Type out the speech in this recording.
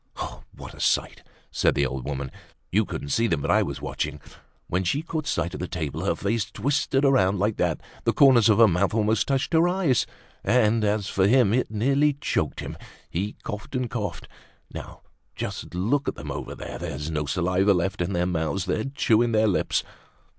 "Huh! What a sight!" said the old woman. "You couldn't see them; but I was watching. When she caught sight of the table her face twisted around like that, the corners of her mouth almost touched her eyes; and as for him, it nearly choked him, he coughed and coughed. Now just look at them over there; they've no saliva left in their mouths, they're chewing their lips."